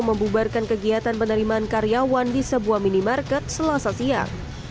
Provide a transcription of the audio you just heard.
membubarkan kegiatan penerimaan karyawan di sebuah minimarket selasa siang